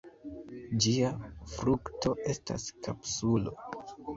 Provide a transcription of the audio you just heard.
Ĝia frukto estas kapsulo.